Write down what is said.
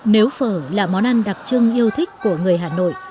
nếu phở là món ăn đặc trưng yêu thích của người hà nội